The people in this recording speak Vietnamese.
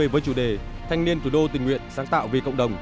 với chủ đề thanh niên thủ đô tình nguyện sáng tạo vì cộng đồng